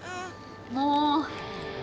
もう。